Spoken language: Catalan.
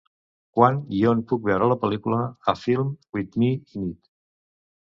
Quan i on puc veure la pel·lícula A Film with Me in It